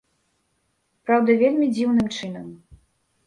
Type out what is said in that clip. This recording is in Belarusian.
Праўда, вельмі дзіўным чынам.